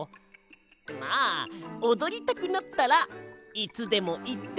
まあおどりたくなったらいつでもいってくれよな！